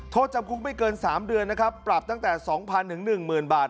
โทษจำคุกไม่เกิน๓เดือนนะครับปรับตั้งแต่๒๐๐๑๐๐บาท